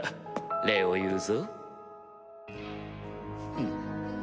礼を言うぞ。